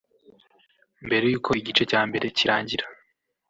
Mbere y’uko igice cya mbere kirangira